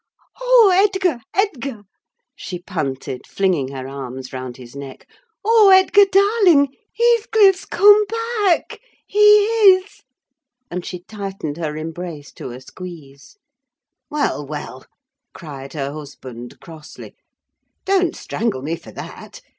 "Oh, Edgar, Edgar!" she panted, flinging her arms round his neck. "Oh, Edgar darling! Heathcliff's come back—he is!" And she tightened her embrace to a squeeze. "Well, well," cried her husband, crossly, "don't strangle me for that!